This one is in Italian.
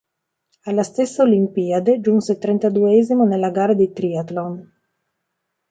Alla stessa Olimpiade giunse trentaduesimo nella gara di triathlon.